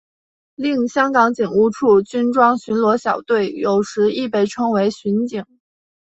另香港警务处军装巡逻小队有时亦被称为巡警。